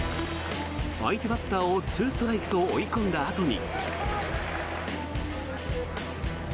相手バッターを２ストライクと追い込んだあとに。